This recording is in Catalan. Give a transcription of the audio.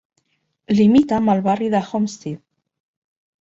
Limita amb el barri de Homestead.